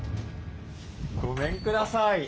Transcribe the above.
ごめんください。